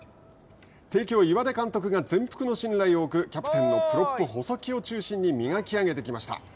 帝京、岩出監督が全幅の信頼を置くキャプテンのプロップ、細木を中心に磨き上げてきました。